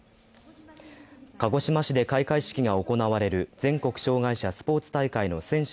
鹿児島市で開会式が行われる全国障害者スポーツ大会の選手